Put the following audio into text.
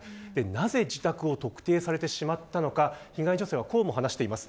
なぜ自宅を特定されてしまったのか被害女性はこうも話しています。